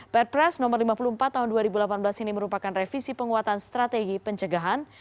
perpres nomor lima puluh empat tahun dua ribu delapan belas ini merupakan revisi penguatan strategi pencegahan